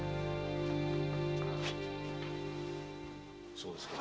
そうですか。